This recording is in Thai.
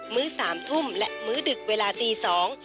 มื้อ๓ทุ่มและมื้อดึกเวลา๔๐๐น